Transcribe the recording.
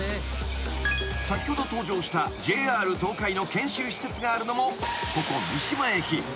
［先ほど登場したＪＲ東海の研修施設があるのもここ三島駅］